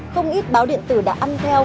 không ít báo điện tử đã ăn theo